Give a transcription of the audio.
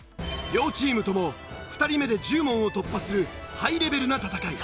両チームとも２人目で１０問を突破するハイレベルな戦い。